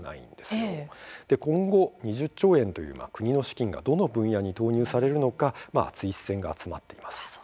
そして今後、２０兆円の国の資金がどの分野に投入されるのか熱い視線が集まっています。